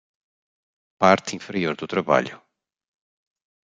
Parte inferior do trabalho